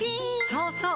そうそう！